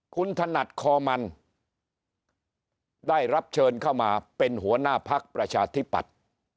คุณถนัดคอมันได้รับเชิญเข้ามาเป็นหัวหน้าพักประชาธิปัตย์